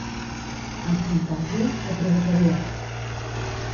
En contar-li, què provocaria?